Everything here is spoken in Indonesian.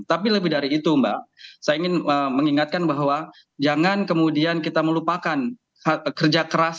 tapi lebih dari itu mbak saya ingin mengingatkan bahwa jangan kemudian kita melupakan kerja keras